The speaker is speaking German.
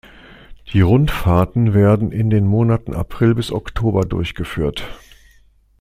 Die Rundfahrten werden in den Monaten April bis Oktober durchgeführt.